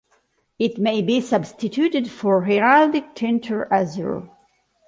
It may be substituted for heraldic tincture azure.